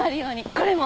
これも。